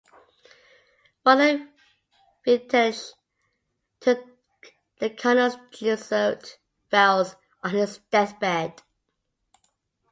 Father Vitelleschi took the cardinal's Jesuit vows on his deathbed.